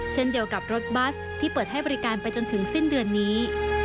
เช่นเดียวกับรถบัสที่เปิดให้บริการไปจนถึงสิ้นเดือนนี้